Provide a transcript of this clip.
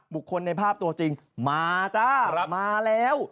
บุคคลในภาพตัวจริงมาจ้ามาแล้ว